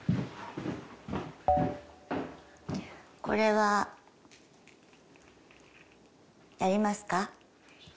これはやりますか？